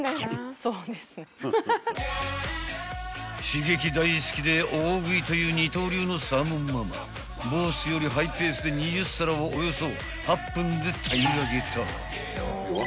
［刺激大好きで大食いという二刀流のサーモンママボスよりハイペースで２０皿をおよそ８分で平らげた］